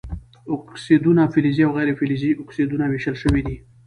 اکسایدونه فلزي او غیر فلزي اکسایدونو ویشل شوي دي.